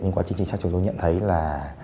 nhưng quá trình xác minh chúng tôi nhận thấy là